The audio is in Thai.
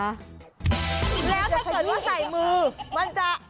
แล้วถ้าเกิดว่าใส่มือมันจะ